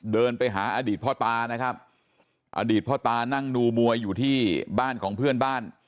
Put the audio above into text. เดินไปหาอดีตพ่อตานะครับอดีตพ่อตานั่งดูมวยอยู่ที่บ้านของเพื่อนบ้าน